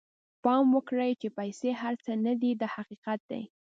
پام وکړئ چې پیسې هر څه نه دي دا حقیقت دی.